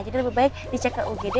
jadi lebih baik dicek ke ugd